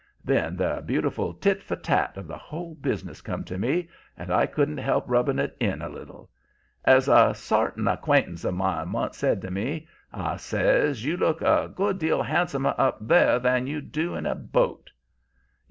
"Then the beautiful tit for tat of the whole business come to me, and I couldn't help rubbing it in a little. 'As a sartin acquaintance of mine once said to me,' I says, 'you look a good deal handsomer up there than you do in a boat.'